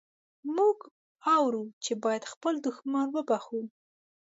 موږ اورو چې باید خپل دښمن وبخښو.